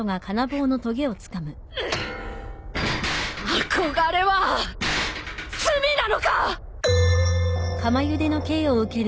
憧れは罪なのか！？